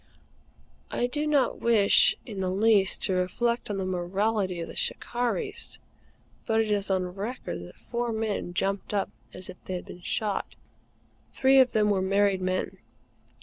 I do not wish in the least to reflect on the morality of the "Shikarris;" but it is on record that four men jumped up as if they had been shot. Three of them were married men.